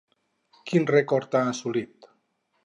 Quin rècord ha assolit?